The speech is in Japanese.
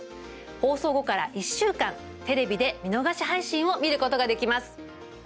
放送後から１週間、テレビで見逃し配信を見ることができます。